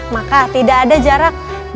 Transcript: maka tidak ada jaraknya